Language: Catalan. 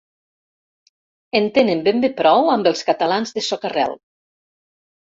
En tenen ben bé prou amb els catalans de soca-rel.